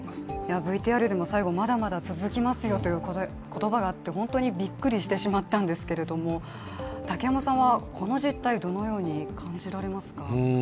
ＶＴＲでも最後、まだまだ続きますよという言葉があって本当にびっくりしてしまったんですけれども、竹山さんはこの実態、どのように感じられますか。